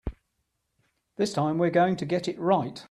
This time we're going to get it right.